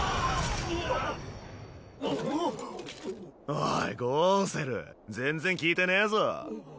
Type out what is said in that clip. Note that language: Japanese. おいゴウセル全然効いてねぇぞ。